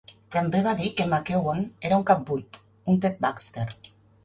També va dir que en McKeown era un cap-buit, un Ted Baxter.